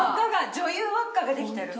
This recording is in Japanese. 女優輪っかができてる。